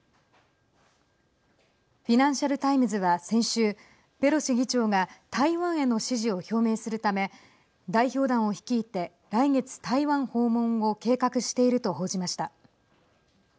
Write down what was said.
フィナンシャル・タイムズは先週ペロシ議長が台湾への支持を表明するため代表団を率いて来月、台湾訪問を計画していると報じました。